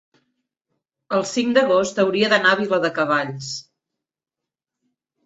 el cinc d'agost hauria d'anar a Viladecavalls.